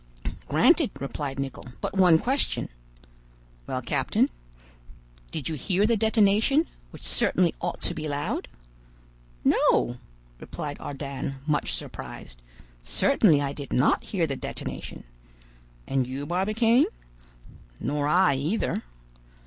"Granted," replied Nicholl; "but one question." "Well, captain?" "Did you hear the detonation, which certainly ought to be loud?" "No," replied Ardan, much surprised; "certainly I did not hear the detonation." "And you, Barbicane?" "Nor I, either."